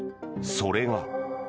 それが。